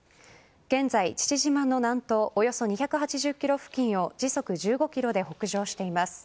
現在、父島の南東およそ２８０ｋｍ付近を時速１５キロで北上しています。